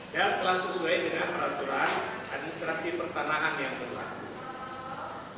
dan telah sesuai dengan peraturan administrasi pertanahan yang berlaku